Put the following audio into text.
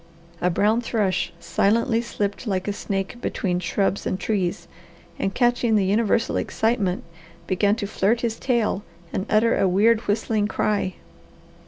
A brown thrush silently slipped like a snake between shrubs and trees, and catching the universal excitement, began to flirt his tail and utter a weird, whistling cry.